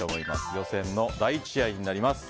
予選の第１試合になります。